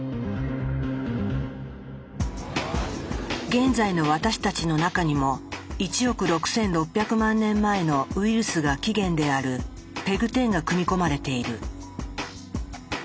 現在の私たちの中にも１億６，６００万年前のウイルスが起源であるＰＥＧ１０が組み込まれている。